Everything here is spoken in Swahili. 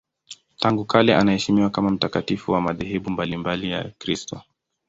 Tangu kale anaheshimiwa kama mtakatifu na madhehebu mbalimbali ya Ukristo.